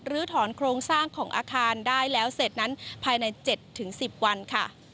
ถอนโครงสร้างของอาคารได้แล้วเสร็จนั้นภายใน๗๑๐วันค่ะ